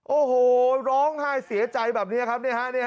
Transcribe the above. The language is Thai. โอ้โหร้องไห้เสียใจแบบนี้ครับ